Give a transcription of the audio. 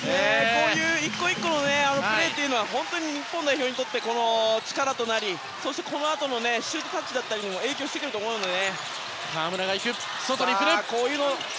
こういう１個１個のプレーが本当に日本代表にとって力となりそしてこのあとのシュートタッチにも影響してくると思うので。